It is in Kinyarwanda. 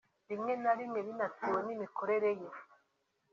rimwe na rimwe binatewe n’imikorere ye